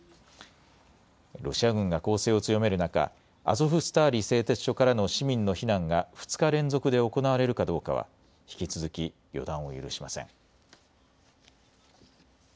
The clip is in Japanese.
ロシア軍が攻勢を強める中、アゾフスターリ製鉄所からの市民の避難が２日連続で行われるかどうかは引き続き予断を許しません。